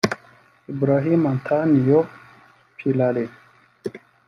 Ibraimo Antonio Pilale